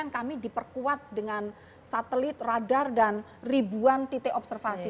kami diperkuat dengan satelit radar dan ribuan titik observasi